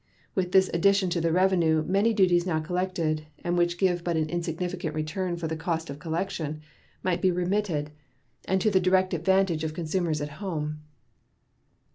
With this addition to the revenue, many duties now collected, and which give but an insignificant return for the cost of collection, might be remitted, and to the direct advantage of consumers at home.